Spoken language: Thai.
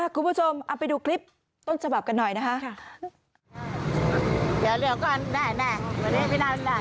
คุณผู้ชมเอาไปดูคลิปต้นฉบับกันหน่อยนะคะ